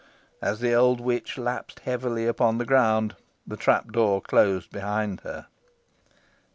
As the old witch leaped heavily upon the ground, the trapdoor closed behind her.